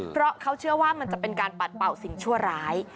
เพราะเขาเชื่อว่ามันจะเป็นการปัดเป่าสิ่งชั่วร้าย